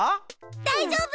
だいじょうぶ！